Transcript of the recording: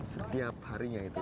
setiap harinya itu ya